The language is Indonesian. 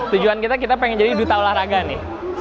tujuan kita kita pengen jadi duta olahraga nih